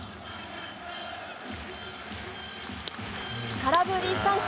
空振り三振。